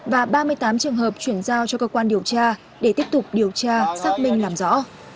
và ba mươi tám trường hợp chuyển giao cho cơ quan điều tra để tiếp tục điều tra xác minh làm rõ